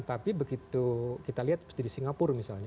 tapi begitu kita lihat seperti di singapura misalnya